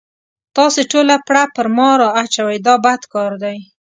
تاسې ټوله پړه په ما را اچوئ دا بد کار دی.